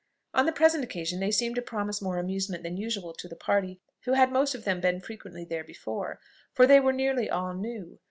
On the present occasion they seemed to promise more amusement than usual to the party, who had most of them been frequently there before, for they were nearly all new.